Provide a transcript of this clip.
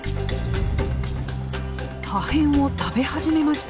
破片を食べ始めました。